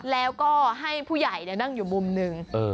แล้วก็ให้ผู้ใหญ่นั่งอยู่มุมหนึ่ง